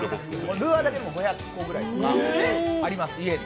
ルアーだけでも５００個ぐらいあります、家に。